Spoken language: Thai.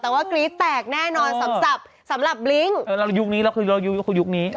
แต่ว่ากรี๊สแตกแน่นอนสำสับสำหรับบริงเออเรายุคนี้เราก็ยุคเหลวยุคนี้